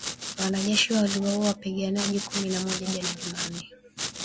wanajeshi waliwaua wapiganaji kumi na moja jana Jumanne